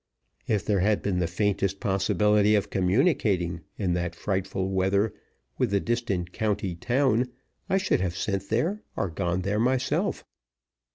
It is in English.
If there had been the faintest possibility of communicating, in that frightful weather, with the distant county town, I should have sent there or gone there myself.